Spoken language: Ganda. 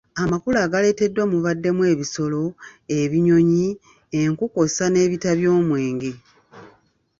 Amakula agaleeteddwa mubaddemu ebisolo, ebinyonyi, enku kw’ossa n’ebita by’omwenge.